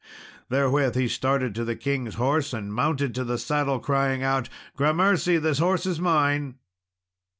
Therewith he started to the king's horse, and mounted to the saddle, crying out, "Grammercy, this horse is mine!"